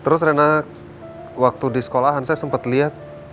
terus rena waktu di sekolahan saya sempet liat